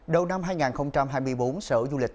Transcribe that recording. đầu năm hai nghìn hai mươi bốn sở du lịch